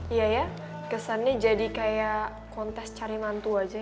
iya ya kesannya jadi kayak kontes cari mantu aja